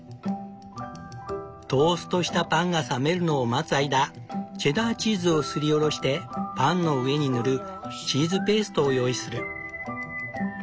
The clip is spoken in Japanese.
トーストしたパンが冷めるのを待つ間チェダーチーズをすりおろしてパンの上に塗るチーズペーストを用意する。